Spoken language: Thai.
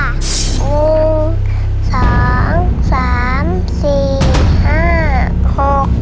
หนูสองสามสี่ห้าหก